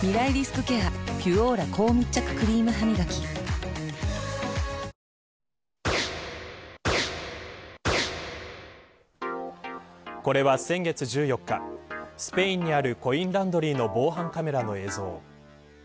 クリームハミガキこれは先月１４日スペインにあるコインランドリーの防犯カメラの映像。